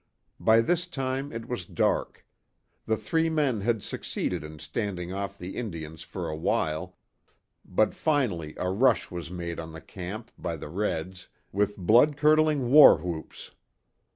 By this time it was dark. The three men had succeeded in standing off the Indians for awhile, but finally a rush was made on the camp, by the reds, with blood curdling war whoops.